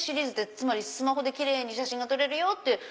つまりスマホでキレイに写真が撮れるよっていう。